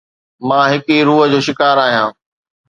مان هڪ ئي روح جو شڪار آهيان